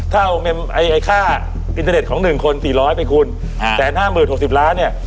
ถ้าเอาไอ้ค่าอินเทอร์เน็ตของ๑คน๔๐๐ไปคุณ๕๕๐๖๐ล้านเนี่ย